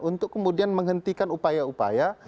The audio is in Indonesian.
untuk kemudian menghentikan upaya upaya